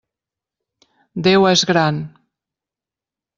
Déu és Gran!